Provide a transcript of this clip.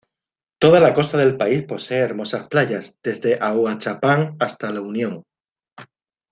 Toda la costa del país posee hermosas playas, desde Ahuachapán hasta La Unión.